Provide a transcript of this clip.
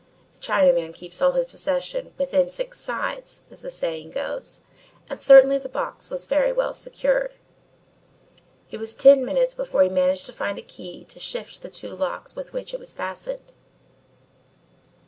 A Chinaman keeps all his possessions "within six sides," as the saying goes, and certainly the box was very well secured. It was ten minutes before he managed to find a key to shift the two locks with which it was fastened.